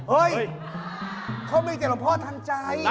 เฮ้ยเขามีแต่หลวงพ่อทันใจ